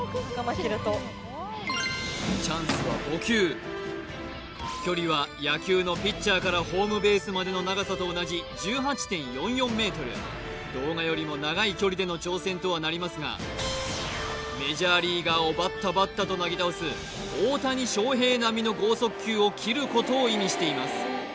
チャンスは５球距離は野球のピッチャーからホームベースまでの長さと同じ１８．４４ｍ動画よりも長い距離での挑戦とはなりますがメジャーリーガーをバッタバッタとなぎ倒す大谷翔平並みの豪速球を斬ることを意味しています